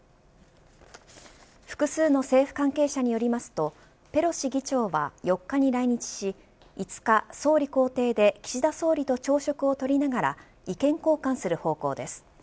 複数の政府関係者によりますとペロシ議長は、４日に来日し５日、総理公邸で岸田総理と朝食をとりながら意見交換する方向です。